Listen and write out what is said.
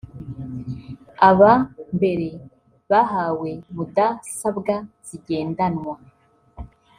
Aba mbere bahawe mudasabwa zigendanwa